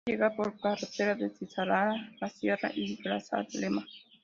Se puede llegar por carretera desde Zahara de la Sierra y Grazalema.